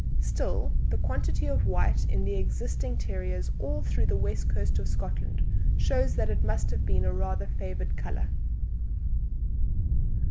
Still, the quantity of white in the existing terriers all through the west coast of Scotland shows that it must have been rather a favoured colour.